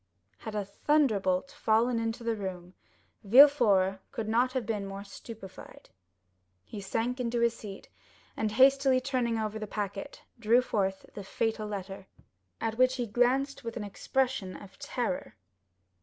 _ Had a thunderbolt fallen into the room, Villefort could not have been more stupefied. He sank into his seat, and hastily turning over the packet, drew forth the fatal letter, at which he glanced with an expression of terror.